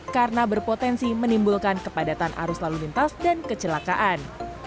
karena berpotensi menimbulkan kepadatan arus lalu lintas dan kecelakaan